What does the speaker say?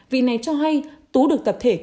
vị này cho hay tú được tập thể công an